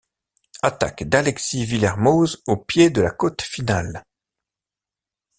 Attaque d'Alexis Vuillermoz au pied de la côte finale.